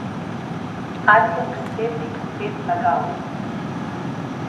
Ali je predsednik spet lagal?